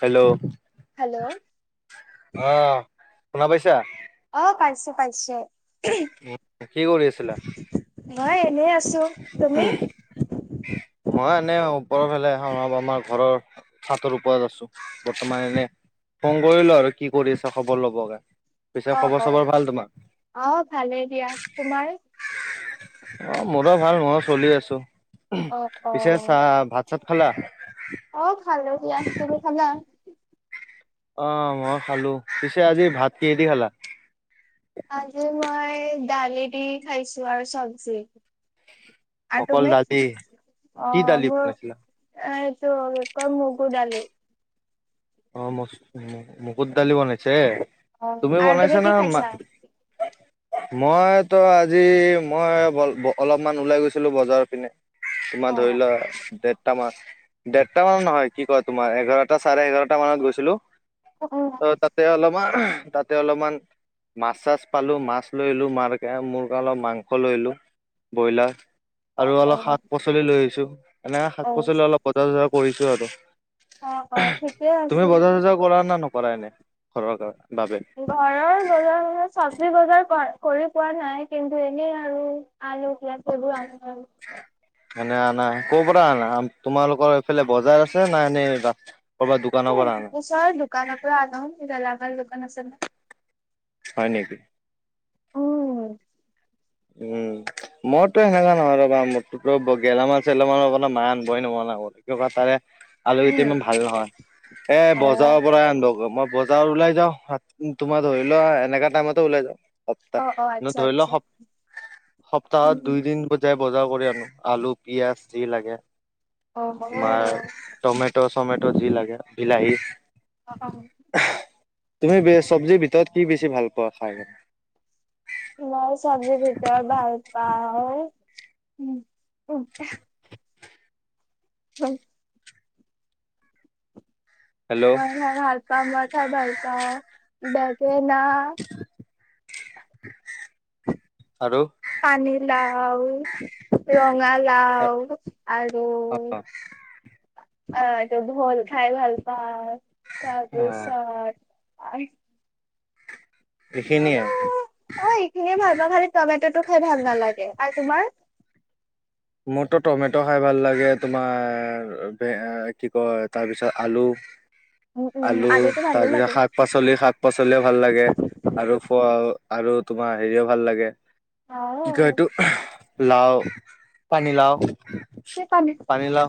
Hello hello অহ শুনা পাইছা অ পাইছে পাইছে কি কৰি আছিলা মই এনেই আছো তুমি মই এনে ওপৰৰ ফালে আমাৰ ঘৰৰ চাটৰ ওপৰত আছো বৰ্তমান এনে ফোন কৰিলো আৰু কি কৰি আছ খবৰ ল'বলে অ অ অহ ভালেই দিয়া তোমাৰ অহ মোৰো ভাল ময়ো চলি আছো অ অ পিছে চাহ ভাত চাত খালা অ খালো দিয়া তুমি খালা অহ মই খালো পিছে আজি ভাত কিহেদি খালা আজি [inaudible] মই [unintelligible] দালি দি খাইছো আৰু চব্জি আৰু অকল তুমি দালি কি অহ দালি মোৰ বনাইছিলা এইটো কি কম মগু দালি অহ মুগুৰ দালি বনাইছে অ তুমি আৰু বনাইছা কি না মা খাইছা মই তো আজি মই অলপমান ওলাই গৈছিলো বজাৰ পিনে অ তোমাৰ ধৰি লোৱা দেৰটা মান দেৰটা মান নহয় কি কয় তোমাৰ এঘাৰটা চাৰে এঘাৰটা মানত গৈছিলো উম ত' তাতে অলপমান তাতে অলপমান মাছ চাছ পালোঁ মাছ লৈলোঁ মা মোৰ কাৰণে অলপ মাংস লৈলোঁ ব্ৰইলাৰ অ আৰু অ অলপ শাক পাচলি লৈ আহিছো এনে শাক অ পাচলি অলপ বজাৰ চজাৰ কৰিছো আৰু অহ অহ থিকে তুমি বজাৰ চজাৰ কৰা না নকৰা এনে ঘৰৰ কাৰণে ঘৰৰ বজাৰ চজাৰ চ চব্জি বজাৰ কৰি পোৱা নাই কিন্তু এনেই আৰু আলু পিঁয়াজ সেইবোৰ আনো আৰু এনে আনা ক' পৰা আনা তোমালোকৰ এইফালে বজাৰ আছে না এনেই হে ওচৰ দোকান পৰা আনো গেলামাল দোকান আছে হয় নেকি উম উম মইতো সেনেকা নহয় ৰবা ম গেলামান চেলামানৰপে মা আন ব [unintelligible] ই নম [unintelligible] ন [unintelligible] মোৰ কি তাৰে আলু কেইটি উম ইমান ভাল নহয় এ অ বজাৰৰ পৰাই আনিব কৰ মই বজাৰ ওলাই যাওঁত তোমাৰ ধৰি লোৱা এনেকা টাইমতে ওলাই যাওঁ সপ্তাহ অ অ ন আচ্ছা ধৰি লোৱা আচ্ছা স সপ্তাহত উম দুই দিন যায় বজাৰ কৰি আনো আলু পিয়াজ যি লাগে অ অ তোমাৰ টমেট' চমেট যি লাগে বিলাহী অহ তুমি বে চব্জি ভিতৰত কি বেছি ভাল পোৱা খাই মই চব্জি ভিতৰত ভাল পাওঁ উম উ উম। হেল্ল' মই খাই ভাল পাওঁ মই খাই ভাল পাওঁ বেগেনা। আৰু পানী লাও, ৰঙা লাও আৰু অ [inaudible] আহ ত ভোল খাই ভাল পাও তাৰপিছত [inaudible] আৰু এইখিনিয়ে। অ এইখিনিয়ে ভাল পাওঁ খালি টমেটটো খাই ভাল নালাগে আৰু তোমাৰ। মোৰতো টমেটো খাই ভাল লাগে তোমাৰ কি কয় তাৰপিছত আলু উম উম আলু আলুটো ভালে তাৰপিছত লাগে শাক পাচলি শাক পাচলিও ভাল লাগে আৰু। আৰু তোমাৰ হেৰিও ভাল লাগে অ কি কয় এইটো লাওঁ। পানী লাওঁ পানী লাওঁ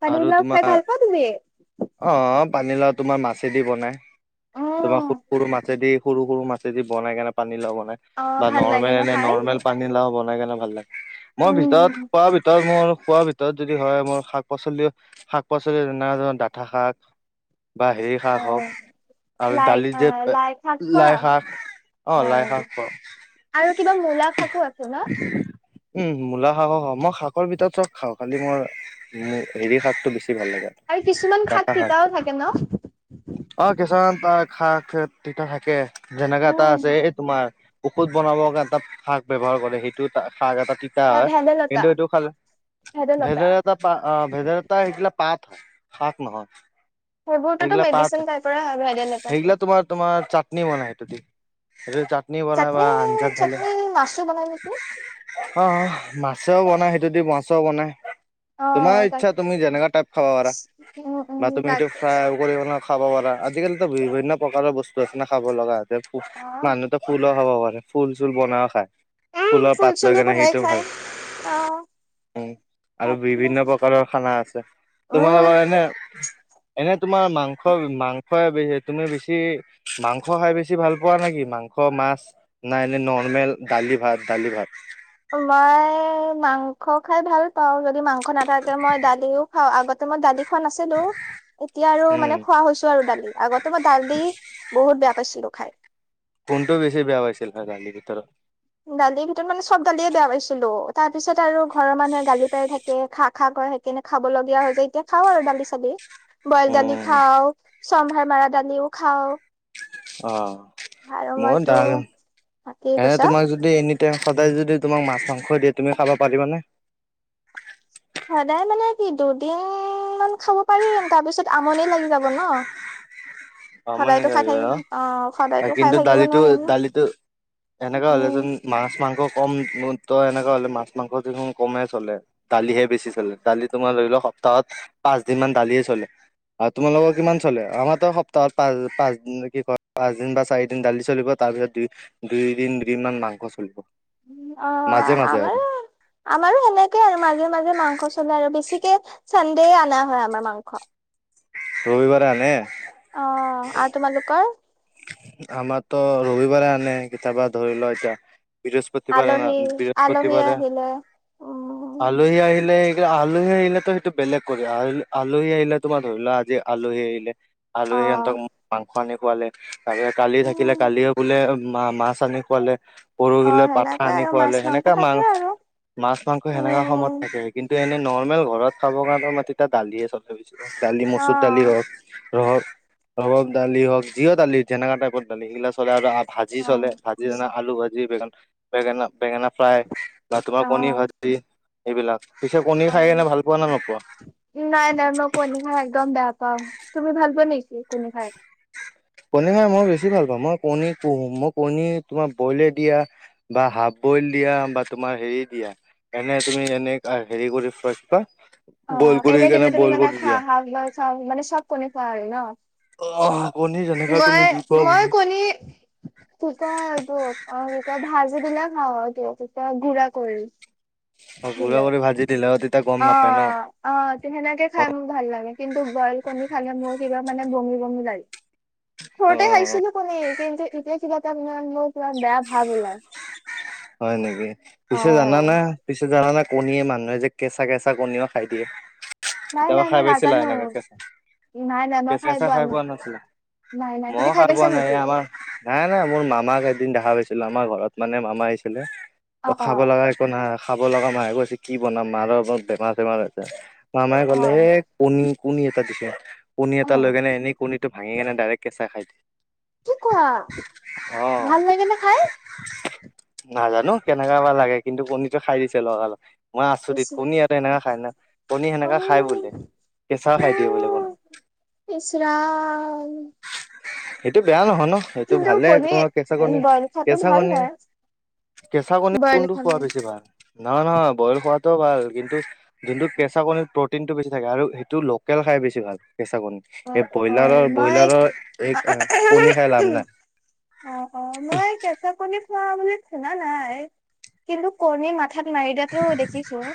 পানী আৰু লাও খাই তোমাৰ ভাল পোৱা তুমি অ পানী লগত। তোমাৰ মাছেদি বনাই। তোমাৰ উম সৰু সৰু মাছেদি সৰু সৰু মাছেদি বনাই কেনে পানী লগত। অ ভাল ন লাগে ন এনে খাই নৰ্মেল পানী লাও বনাই কেনে ভাল লাগে। মই ভিতৰত উম পোৱা ভিতৰত মোৰ খোৱাৰ ভিতৰত যদি হয় মোৰ শাক পাচলি শাক পাচলি ধ ডাঠা শাক, বা হে শাক অ হওক, আৰু লাই দালি যে আহ লাই শাক খোৱা লাই শাক অ লাই শাক খাও। আৰু কিবা মূলা শাকো আছো ন? উম মূলা শাকো খাও। মই শাকৰ ভিতৰত চব খাওঁ, খালি মোৰ হেৰি শাকটো বেছি ভাল লাগে। আৰু কিছুমান শাক তিতাও থাকে ন অ কেশৰ ৰ খাক তিতা থাকে। যেনেকা এটা উম আছে এই তোমাৰ ঔষধ বনাবৰ কাৰে এটা শাক ব্যৱহাৰ কৰে, সেইটো ত শাক এটা তিতা অ হয়। ভেদাইলতা কিন্তু এইটো খালে ভেদাইলতা ভেদৰ এটা পা ভেদালা সেইিলাক পাত হয় শাক নহয়। সেইবোৰতোতো সেইগিলা পাত মেডিচিন তাৰ পৰা হয় ভেদাইল লতাটো। সেইগিলা তোমাৰ তোমাৰ চাটনি বনাই। [unintelligible] বা চাটনি আঞ্জাত ঢালে চাটনি মাচো বনাইকি। অ মাছেও বনাই সেইটোদি মাছেও বনাই। তোমাৰ অ' তাক ইচ্ছা, তুমি যেনেকা টাইপ খাবা পাৰা। উম, উম, বা তুমি সেইটো তাকে। ফ্ৰাই কৰি বনোৱা। খাব পাৰা। আজিকালিতো বিভিন্ন প্ৰকাৰৰ বস্তু আছে নে খাব লগা। অ' মানুহো ফুলো খাব পাৰে, ফুল চুল বনাইও খায় ফুলৰ পাত লৈ কেনে সি হয় অ উম আৰু তাকে। বিভিন্ন প্ৰকাৰৰ খানা আছে। উম, তোমালোকৰ এনে এনে তোমাৰ মাংস মাং - স তুমি বেছি মাংস খাই বেছি ভাল পোৱা নেকি মাংস মাছ নাই ন নন- ৰ্মেল দালি ভাত দালি ভাত? মই মাংস খাই ভাল পাওঁ, যদি মাংস নাথাকে মই দালিও খাওঁ। আগত এখন আছে তো। এতিয়া আৰু উম মানে খোৱা হৈছো আৰু দালি। আগতে মই দালি বহুত বেয়া পাইছিলো খাই। কোনটো বেছি বেয়া পাইছিলা দালি ভিতৰত। দালিৰ ভিতৰত মানে চব দালিয়ে বেয়া পাইছিলো। তাৰ পিছত আৰু ঘৰৰ মানুহে গালি পাই থাকে খা খাক সেইকাৰনে খাব লগগীয়া হৈ যে, এতিয়া খাওঁ আৰু দালি চালি। বইল দালি উম খাও, চম্ভাৰ মৰা দালিও খাওঁ। অ আৰু মোৰ মইতো ডাল কি এ কৈছা তোমাক যদি য এনি টাইম সদায় যদি তোমাক মাছ মাংস দিয়ে তুমি খাব পাৰিবানে? সদায় মানে কি দুদিন মান খাব পাৰিম, তাৰপিছত আমনি লাগি যাব ন আমনি সদায়তো খাই লাগিব। থাকি অ সদায়তো খাই কিন্তু থাকিব দালিটো নোৱাৰিম দালিতটো এনেকা হলে যোন উম মাছ মাংস কম মোৰ ত এনেকা হলে মাছ মাংস যি কমে চলে, দালিহে বেছি চলে। দালি তোমাৰ ধৰি লও স তাত পাঁচ দিন মান দালিয়ে চলে। আৰু তোমালোকৰ কিমান চলে? আমাৰ ত ত তাল পাঁচদিন কি ক পাঁচ দিন বা চাৰি দিন দালি চলিব, তাৰ পিছত দুই দুই দিন দুদিনমান মাং চলিব। উম অ মাজে মাজে আমাৰ আৰু আমাৰো সেনেকে আৰু মাজে মাজে মাংস চলে আৰু বেছি চানডে অনা হয় আমাৰ মাংস। ৰবিবাৰে আনে। অ আৰু তোমালোকৰ? আমাৰতো ৰবিবাৰে আনে। কেতিয়াবা ধৰি লোৱা এতিয়া বৃহস্পতিবাৰে আলহী আলহী বৃহস্পতিবাৰে আহিলে উম আলহী আহিলে আলহী আহিলো সেইটো বেলেগ কৰি, আলহী আহিলে তোমাৰ ধৰি লোৱা আজি আলহী আহিলে অ আলহী সিহঁতক মাংস আনি খোৱালে। ত কালি উম থাকিলে কালিও বোলে মা মাছ আনি খোৱালে। অ পৰহিলে পাঠা সেনেকে আনি আৰু মাছ খুৱালে। মাংস সেনেকা মাং থাকে আৰু মাছ- মাংস সেনেকা সময়ত উম থাকে কিন্তু এনে নৰ্মেল ঘৰত খাব কাৰণে মাটি এটা দালিয়ে চল গৈছিল দালি অ মচুৰ দালি, ৰহ ৰহৰ, ৰহক দালি হওক যিও দালি যেনেকোৱা টাইপৰ দালি সেইগিলা চলে আৰু ভাজি অ চলে, ভাজিনা আলু ভাজি বেঙে বেঙেনা বেঙেনা ফ্ৰাই বা তোমাৰ অ কণী ভাজি এইবিলাক পিছে কণী অ খাই এনে ভাল পোৱা ন নাই নাই মই কণী খাই একদম বেয়া পাওঁ, তুমি ভাল পোৱা নে কি কণী খাই? কণী খাই মই বেছি ভাল পাওঁ, মই কণী পুহো মই কণী তোমাৰ বইলে দিয়া বা হাফ বইল দিয়া বা তোমাৰ হেৰি দিয়া এনে তুমি এনে হেৰি কৰি ফাৰ অ এনে দিনে তুমি মানে খোৱা হাক বা চা মানে চব কণী খোৱা হয় ন। অ। মই মই কণী তু ক ত [unintelligible] অতি ভাজি দিলে খাওঁ ত ততি ধৰা কৰিল। অ গুৰা কৰি ভাজি দিলে অ তেতিয়া গম নাপায় ন। অ সেনেকে অ খাই মোৰ ভাল লাগে কিন্তু বইল কণী খালে মোৰ কিবা মানে বমি বমি লাগে। অ ঘৰতে খাইছিলো কণী কিন্তু এতিয়া কিবা আপোনাক মোক কিবা কিমান বেয়া ভাৱ ওলায়। হয় নেকি পিছে জানানে পিছে জানা নে কণীয়ে মানুহে যে কেঁচা কেঁচা কণীও খাই দিয়ে। নাই কেতিয়াবা নাই খাই মই পাইছিলা নাজানো এনেকে কেঁচা নাই নাই মই কেঁচা কেঁচা খাই নাই পোৱা নাছিলা? নাই নাই মই তুমি খাই পাইছা পোৱা নাই নেকি? এ আমাৰ নাই নাই মোৰ মামাক এদিন দেখা পাইছ আমাৰ ঘৰত মানে মামা আহিছিলে, ত অ অ খাব লগা একো নাই খা খাব লগা মায়ে কৈছে কি বনাম মাৰত বেমাৰ চেমাৰ হৈছে। মামায়ে অ ক'লে এ কণী কণী এটা দিছে, কণী অ এটা লৈ কেনে এনেই কণীটো ভাঙি কেনে ডাইৰেক কেঁচা খাই দি কি কৰা ভাল লাগে নে খাই? নাজানো কেনেকা বা লাগে কিন্তু কণীটো খাই দিছে লগালগ। মই আছো দেত কণী আৰু সেনেকা খাই না কণী অ সেনেকা খাই বোলে। কেঁচাও খাই দিয়ে বোলে কনী। ইচৰাম! সেইটো বেয়া নহয় ন সেইটো ভালে একমাৰ কেঁচা কণী বইল খোৱাটো কেঁচা ভাল কণী হয় কেঁচা কণী বইল কোনটো খোৱা খালে বেছি ভাল? নহয় নহয় বইল খোৱাটো ভাল কিন্তু যোনটো কেঁচা কণি প্ৰটিনটো বেছি থাকে আৰু সেইটো লকেল খাই বেছি ভাল। কেঁচা কণী, অ এই অ ব্ৰইলাৰৰ মই ব্ৰইলাৰৰ এই কণী খাই লাভ নাই। অ অ মই কেঁচা কণীৰ খোৱা বুলি শুনা নাই কিন্তু কণীয়ে মাথাত মাৰি দিয়াতো দেখিছো আৰু।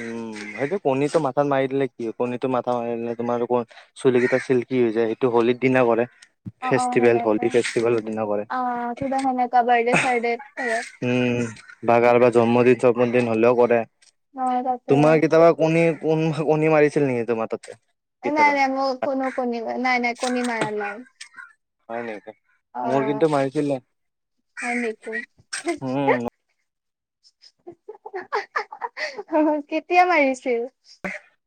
উম সেইটো কণীটো মা মঠাত মাৰি দিলে কি হয় কোন এইটো মাথা মাৰি দিলে তোমাৰ ক চুলি কেইটা চিল্কি হৈ যায় সেইটো হোলিৰ দিনা কৰে। অ অ ফেষ্টিভেল হলী হেনেকাই ফেষ্টিভেলৰ দিনা কৰে অ কিবা হেনেকা বৰদে চাৰদে কৰে। উম বা কাৰোবাৰ জন্মদিন জন্মদিন হলেও কৰে। অ', তাকে তোমাৰ কেতিয়াবা কণী কোণ কণী মাৰিছিল নেকি তোমাৰ তাত নাই নাই মোৰ কোনো কণী নাই নাই কণী মাৰা নাই। হয় নেকি মোৰ আহ কিন্তু মাৰিছিলে হয় নেকি? উম কেতিয়া মাৰিছিল?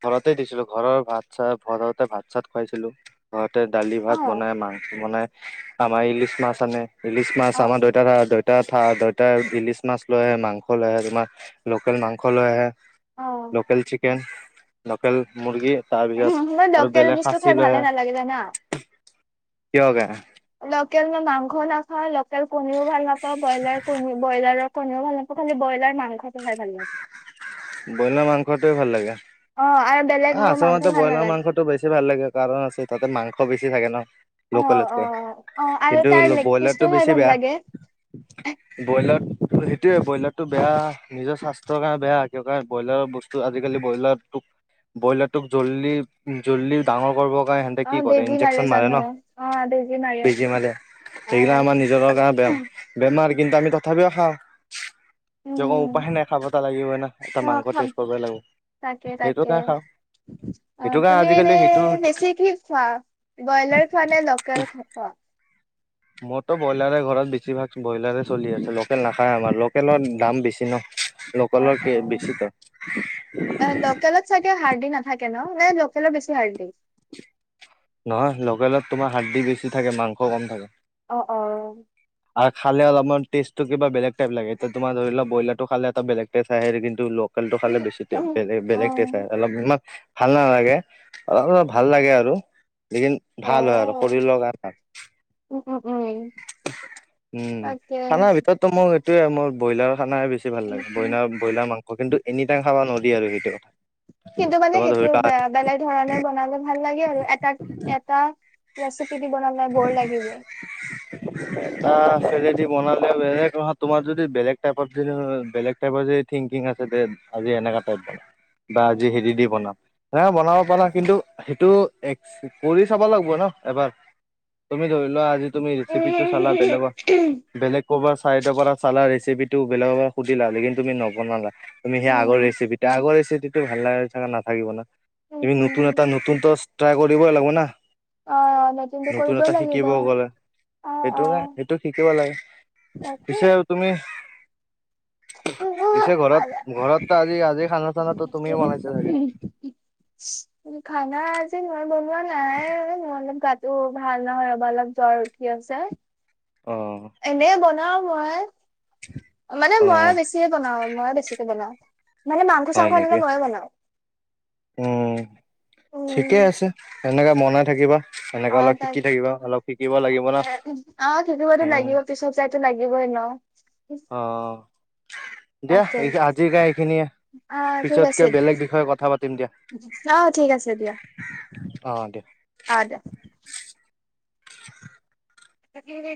ঘৰতে দিছিলো ঘৰৰ ভাত চাত ঘৰতে ভাত চাত খুৱাইছিলোঁ ঘৰত দালি ভাত অ', বনাই মাংস বনাই আমাৰ ইলিচ মাছ আনে ইলিচ মাছ অ', আমাৰ দেউতাৰা দুটা থা দুটাই ইলিছ মাছ লৈ আহে মাংস লৈ আহে তোমাৰ লোকেল মাংস লৈ আহে। অ', লোকেল চিকেন লোকেল মুৰ্গী। তাৰপিছত মই আৰু লোকেল বেলেগ বস্তু খাই সাঁচি ভালে লৈহে নালাগে জানা। কিয় কে? লোকেল মই মাংস নাখাওঁ লোকেল কণীও ভাল নাপাওঁ ব্ৰইলাৰ কণী ব্ৰইলাৰৰ কণীও ভাল নাপওঁ খালি ব- লাৰ মাংসটো খাই ভালে লাগে। বইলাৰ মাংসটো ভাল লাগে। অ আৰু বেলেগ আহ, মোৰ মাংস আচলতে ভাল ব্ৰইলাৰ নালাগে মাংসটো বেছি ভাল লাগে কাৰণ আছে তাতে মাংস বেছি থাকে ন। অ অ লোকেলতকে অ আৰু কিন্তু তাৰ লেগ পিচটো ব্ৰইলাৰটো খাই বেছি ভাল বেয়া। লাগে ব্ৰইলাৰটো সেইটোয়ে ব্ৰইলাৰটো বেয়া নিজৰ স্বাস্থ্যৰ কাৰণে বেয়া। কাৰণ ব্ৰইলাৰৰ বস্তু আজিকালি ব্ৰইলাটোক ব্ৰইলাৰ তোক জল্দি-জল্দি ডাঙৰ কৰিব সেতে অ কি কৰে বেজি ইঞ্জেকচন মাৰে জানো ন অ বেজি বেজি মাৰে। অ সেইগিলা আমাৰ নিজৰ গে বেমাৰ [unintelligible] কিন্তু আমি তথাপিও খাওঁ। যেকো উম উপায়ে নাই খাব তো লাগিব ন। এটা অ মাংস খাম টেষ্ট কৰিবই লাগিব। তাকে সেইটো তাকে। কাৰণে খাওঁ অ, সেইটো কাৰণে তুমি এনে আজিকালি সেইটো বেছি কি খোৱা, ব্ৰইলাৰ খোৱা নে লোকেল খাই খোৱা? মইতো ব্ৰইলাৰে ঘৰত বেছিভাগ ব্ৰইলাৰে চলি আছে লোকেল নাখায় আমাৰ লোকেলৰ দাম বেছি ন। অ, লোকেলৰ কি বেছিতো অ লোকেলত চাগে হাৰ্ডি নাথাক- থাকে ন নে লোকেলৰ বেছি হাৰ্দি? নহয়, লোকেল ত তোমাৰ হাৰ্দি বেছি থাকে মাংস কম থাকে। অ, অ আৰু খালে অলপমান টেষ্টটো কিবা বেলেগ টাইপ লাগে। এতিয়া তোমাৰ ধৰি লোৱা ব্ৰলাৰটো খালে এটা বেলেগ টেষ্ট আহে কিন্তু ল- কেল তো খালে বেছি বেগ অ বেলেগ টেষ্ট অ অলপ ইমান- ভাল নালাগে। অলপ অলপ ভাল লাগে আৰু। লেকিন ভাল হয় আৰু শৰীৰৰ কাৰণে ভাল উম উম উম উম তাকে খানাৰ ভিতৰতো মোৰ এইটোয়ে মোৰ ব্ৰইলাৰ খানাৰ বেছি ভাল লাগে। ব্ৰইনাৰ ব্ৰইলাৰ মাংস কিন্তু এনিটাইম খাব নোৱাৰিআৰু সেইটো। কিন্তু মানে তোমাৰ সেইটো ধৰি লোৱা বে বেলেগ ধৰণে বনালে ভাল লাগে আৰু এটাক এটা ৰেছিপিৰ দি বনালে ব'ৰ লাগি যায়। এটা বনালে বেলেগ তোমাৰ যদি বেলেগ টাইপ বেলেগ টাইপ যদি থিংকিং আছে দে আজি এনেকা টাইপ বনাম বা আজি উম, হেৰি দি বনাম। বনাব পাৰা কিন্তু সেইটো কৰি চাব লাগিব ন। এবাৰ তুমি ধৰি লোৱা আজি তুমি ৰেচিপিটো চালা বেলেগৰ বেলেগ ক'ৰবাত চাই থকা কৰা চালা ৰেচিপিটো বেলেগক পৰা সুধিল হলে কিন্তু তুমি নবনালা। তুমি সেই আগৰ উম, ৰেচিপি আগৰ ৰেচিপিটো ভাল লাগে চাগে নাথাকিব না। উম, তুমি নতুন উম। এটা নতুনতো ট্ৰাই কৰিবই লাগিব না। অ', নতুনটো নতুন কৰিব এটা লাগিব শিকিব গলে অ', সেইটো নাই অ', সেইটো শিকিব লাগে। তাকে। পিছে তুমি পিছে ঘৰত, ঘৰত আজি আজি খানা-চানা তুমি বনাইছা চাগে? খানা আজি মই বনোৱা নাই। মই অলপ গাত- তটো ভাল নহয় ৰ'বা, অলপ জ্বৰ উঠি আছে। অ', এনে বনাও। মই মানে মই অ', বেছি বনাওঁ, মই বেছিকে বনাওঁ। মানে মংস চাং হয় আনিলে নেকি? ময়ে বনাও। উম, উম, ঠিকে আছে এনেকে বনাই থাকিবা। এনেকে অ', অলপ তাৰ শিকি থাকিব অলপ শিকিব লাগিব ন। অ থাকিবতো লাগিব পিছত যাইতো লাগিবই ন অ, দিয়া তাকে এই আজি গাই এইখিনিয়ে অ ঠিক পিছতকে আছে বেলেগ বিষয়ে কথা পাতিম দিয়া। অ, ঠিক আছে দিয়া অ', দিয়া। অ দিয়া। [unintelligible] [unintelligible] তাকে হে